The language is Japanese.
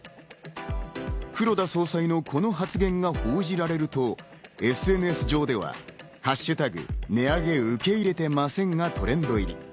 黒田総裁のこの発言が報じられると、ＳＮＳ上では「＃値上げ受け入れてません」がトレンド入り。